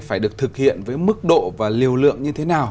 phải được thực hiện với mức độ và liều lượng như thế nào